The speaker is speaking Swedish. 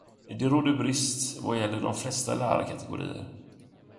Det råder brist vad gäller de flesta lärarkategorier.